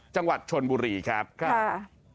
จังหวัดชนบุรีครับค่ะ